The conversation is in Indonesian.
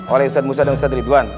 oleh ustadz musa dan ustadz ridwan